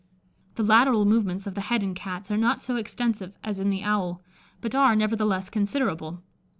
The lateral movements of the head in Cats are not so extensive as in the owl, but are, nevertheless, considerable.